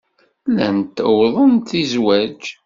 Llant uwḍent-d i zzwaj.